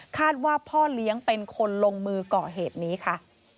ว่าพ่อเลี้ยงเป็นคนลงมือก่อเหตุนี้ค่ะ